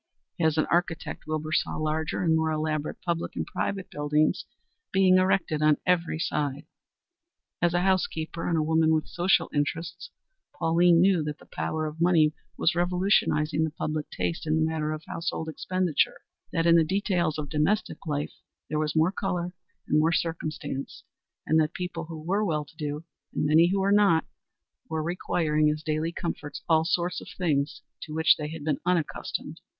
As an architect, Wilbur saw larger and more elaborate public and private buildings being erected on every side. As a house keeper and a woman with social interests, Pauline knew that the power of money was revolutionizing the public taste in the matter of household expenditure; that in the details of domestic life there was more color and more circumstance, and that people who were well to do, and many who were not, were requiring as daily comforts all sorts of things to which they had been unaccustomed.